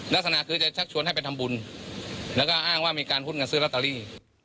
ลักษณะคือจะชักชวนให้ไปทำบุญแล้วก็อ้างว่ามีการหุ้นกันซื้อลอตเตอรี่